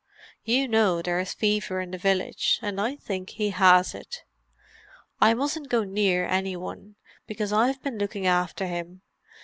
You know there is fever in the village, and I think he has it. I mustn't go near any one, because I've been looking after him.